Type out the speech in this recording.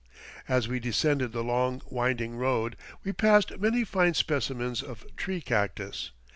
As we descended the long, winding road we passed many fine specimens of tree cactus.